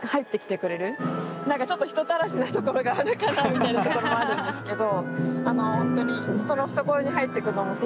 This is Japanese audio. みたいなところもあるんですけど。